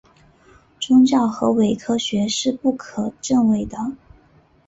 宗教和伪科学是不可证伪的。